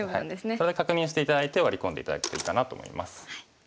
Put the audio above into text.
それ確認して頂いてワリ込んで頂くといいかなと思います。